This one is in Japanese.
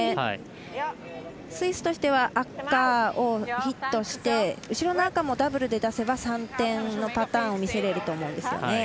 スイスとしては赤をヒットして後ろの赤もダブルで出せば３点のパターンを見せられると思うんです。